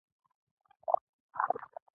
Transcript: سترګې يې نه شنې وې نه زرغونې.